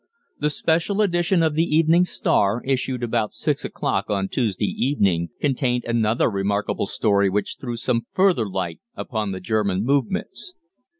The special edition of the "Evening Star," issued about six o'clock on Tuesday evening, contained another remarkable story which threw some further light upon the German movements.